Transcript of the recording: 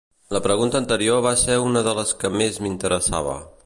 La pregunta anterior va ser una de les que més m'interessava.